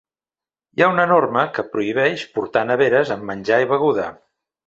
Hi ha una norma que prohibeix portar neveres amb menjar i beguda.